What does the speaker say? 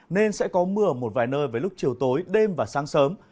nên sẽ có mưa ở một vài nơi với lúc chiều tối đêm và sáng sớm